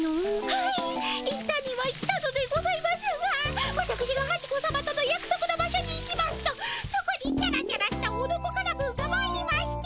はい行ったには行ったのでございますがわたくしがハチ子さまとのやくそくの場所に行きますとそこにチャラチャラしたオノコカナブンがまいりまして